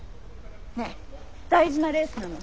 ねえ大事なレースなの。